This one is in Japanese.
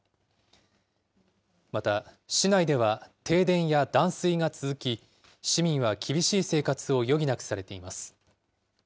また、市内では停電や断水が続き、市民は厳しい生活を余儀なくされています。